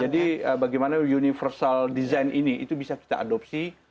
jadi bagaimana universal design ini itu bisa kita adopsi